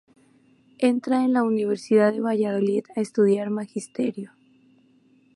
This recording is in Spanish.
Entra en la universidad de Valladolid a estudiar magisterio.